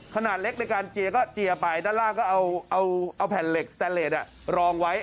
ขนาดเล็กในการเจียก็เจียไปด้านล่างก็เอาแผ่นเหล็กสแตนเลสรองไว้